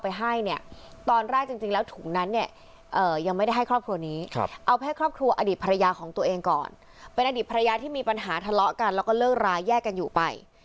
เป็นอดีตภรรยาที่มีปัญหาทะเลาะกันแล้วก็เลิกร้ายแยกกันอยู่ไป